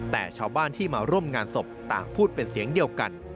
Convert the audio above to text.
แต่ชาวบ้านที่มาร่วมงานศพต่างพูดเป็นเสียงเดียวกัน